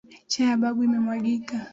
Chai ya babu imemwagika.